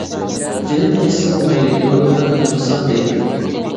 جېنىم كەتسىمۇ مەيلى يولۇمدىن يانمىسام دەيمەن.